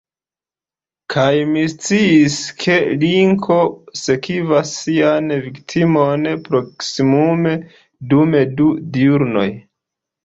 Kaj mi sciis, ke linko sekvas sian viktimon proksimume dum du diurnoj.